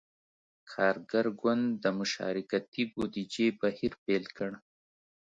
کارګر ګوند د »مشارکتي بودیجې« بهیر پیل کړ.